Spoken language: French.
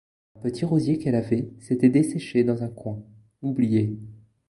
Un petit rosier qu’elle avait s’était desséché dans un coin, oublié.